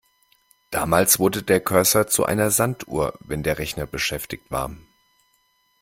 Damals wurde der Cursor zu einer Sanduhr, wenn der Rechner beschäftigt war.